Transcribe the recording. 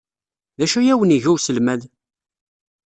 D acu ay awen-iga uselmad?